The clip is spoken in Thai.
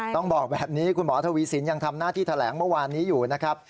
ต้องบอกแบบนี้คุณหมอทวีสินยังทำหน้าที่แถลงเมื่อวานนี้อยู่นะครับ